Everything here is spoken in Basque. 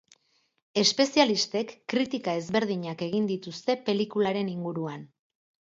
Espezialistek kritika ezberdinak egin dituzte pelikularen inguruan.